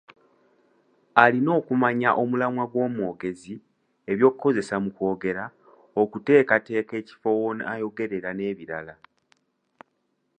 Alina okumanya omulamwa gw’omwogezi, eby’okukozesa mu kwogera, okuteekateeka ekifo w’onaayogerera n’ebirala.